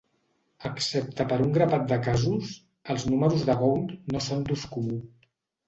Excepte per un grapat de casos, els números de Gould no són d'ús comú.